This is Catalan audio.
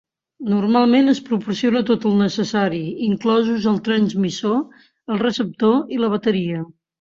Normalment, es proporciona tot el necessari, inclosos el transmissor, el receptor i la bateria.